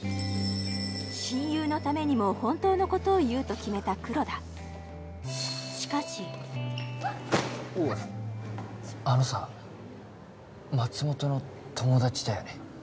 親友のためにも本当のことを言うと決めた黒田しかしあっおいあのさ松本の友だちだよね